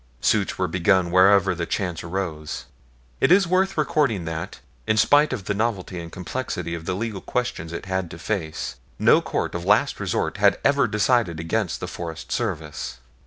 Suits were begun wherever the chance arose. It is worth recording that, in spite of the novelty and complexity of the legal questions it had to face, no court of last resort has ever decided against the Forest Service.